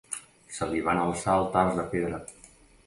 Se li van alçar altars de pedra.